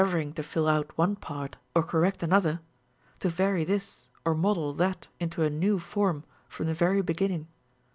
oring to fill out one part or correct another, to vary this or model that into a new form from the very beginning.